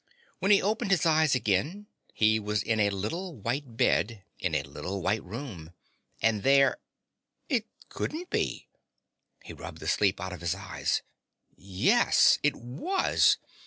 When he opened his eyes again, he was in a little white bed in a little white room, and there it couldn't be! He rubbed the sleep out of his eyes. Yes, it was!